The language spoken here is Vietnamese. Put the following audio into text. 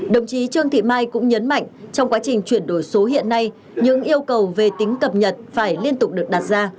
đồng chí trương thị mai cũng nhấn mạnh trong quá trình chuyển đổi số hiện nay những yêu cầu về tính cập nhật phải liên tục được đặt ra